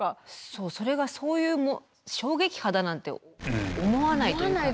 そうそれがそういう衝撃波だなんて思わないというか。